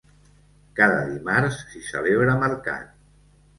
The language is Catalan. Cada dimarts s'hi celebra mercat.